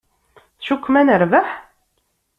Tcukkem ad nerbeḥ?